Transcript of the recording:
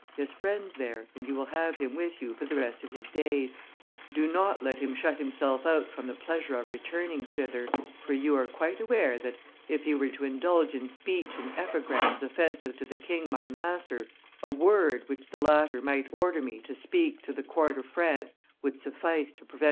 He has friends there, and you will have him with you for the rest of his days; do not let him shut himself out from the pleasure of returning thither, for you are quite aware that, if he were to indulge in speech and epigrams offensive to the king my master, a word which the latter might order me to speak to the court of France would suffice to prevent M.